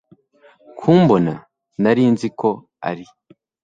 kumbona! nari nzi ko ari